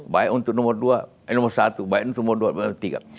baik untuk nomor satu baik untuk nomor dua baik untuk nomor tiga